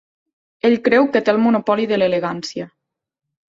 Ell creu que té el monopoli de l'elegància.